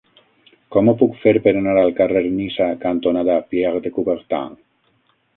Com ho puc fer per anar al carrer Niça cantonada Pierre de Coubertin?